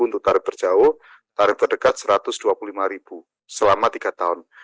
untuk tarif berjauh tarif terdekat rp satu ratus dua puluh lima selama tiga tahun